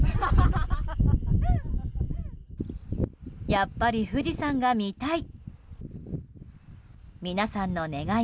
やっぱり富士山が見たい！